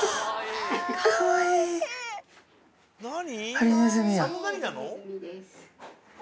ハリネズミや！